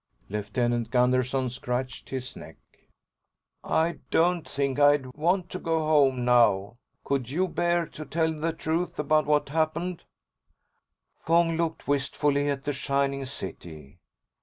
Lieutenant Gunderson scratched his neck. "I don't think I'd want to go home now. Could you bear to tell the truth about what happened?" Fong looked wistfully at the shining city.